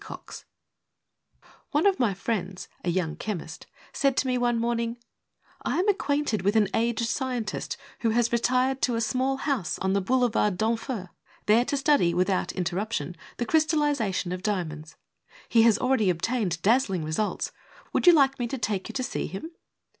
O NE of my friends, a young chemist, said to me one morning: "I am acquainted with an aged scientist who has retired to a small house on the Boulevard d'Enfer, there to study, without interruption, the crystallization of diamonds. He has already obtained dazzling results. Would you like me to take you to see him